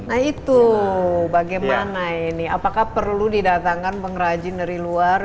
nah itu bagaimana ini apakah perlu didatangkan pengrajin dari luar